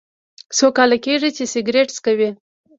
څو کاله کیږي چې سګرټ څکوئ؟